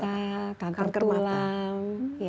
kangker mata kanker tulang